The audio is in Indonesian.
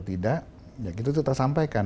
tidak ya itu kita sampaikan